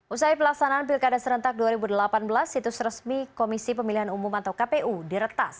usai pelaksanaan pilkada serentak dua ribu delapan belas situs resmi komisi pemilihan umum atau kpu diretas